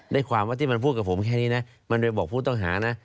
ได้ความว่าที่มันพูดกับผมแค่นี้นะมันไปบอกผู้ต้องหานะ